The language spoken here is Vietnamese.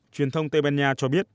truyền thông tây ban nha cho biết